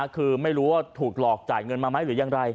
คือไม่รู้ว่าถูกหลอกจ่ายเงินมาไหมหรือยังไร